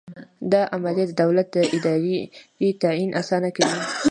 دا عملیه د دولت د دارایۍ تعین اسانه کوي.